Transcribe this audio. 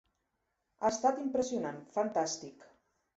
Ha estat impressionant, fantàstic!